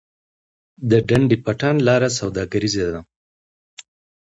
د ډنډ پټان لاره سوداګریزه ده